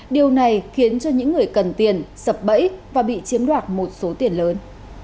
điều này khiến cho những người cần tiền sập bẫy và bị chiếm đoạt một số tiền lớn